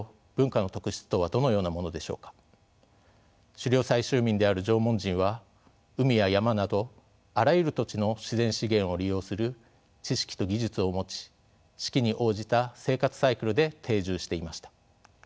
狩猟採集民である縄文人は海や山などあらゆる土地の自然資源を利用する知識と技術を持ち四季に応じた生活サイクルで定住していました。